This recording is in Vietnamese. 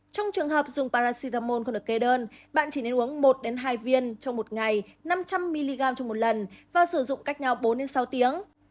trong trường hợp dùng paracetamol không được kê đơn bạn chỉ nên uống một hai viên trong một ngày năm trăm linh mg trong một lần và sử dụng cách nhau bốn sáu tiếng